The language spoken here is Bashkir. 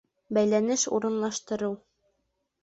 Бәйләнеш урынлаштырыу.